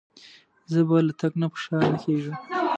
زه به له تګ نه په شا نه کېږم.